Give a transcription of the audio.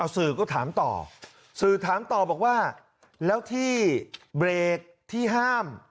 สื่อก็ถามต่อสื่อถามต่อบอกว่าแล้วที่เบรกที่ห้าม